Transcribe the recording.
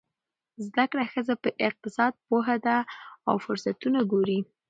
زده کړه ښځه په اقتصاد پوهه ده او فرصتونه ګوري.